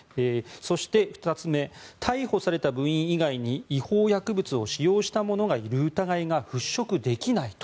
そして、２つ目逮捕された部員以外に違法薬物を使用した者がいる疑いが払しょくできないと。